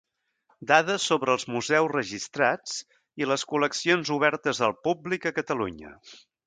Dades sobre els museus registrats i les col·leccions obertes al públic a Catalunya.